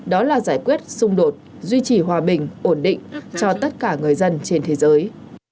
đó là giải quyết xung đột duy trì hòa bình ổn định cho tất cả người dân trên thế giới